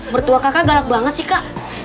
mertua kakak galak banget sih kak